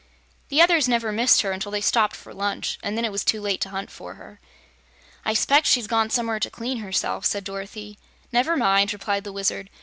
The others never missed her until they stopped for lunch, and then it was too late to hunt for her. "I s'pect she's gone somewhere to clean herself," said Dorothy. "Never mind," replied the Wizard.